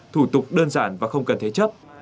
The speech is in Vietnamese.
thủ tục đơn giản và không cần thế chấp